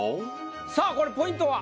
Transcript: さあこれポイントは？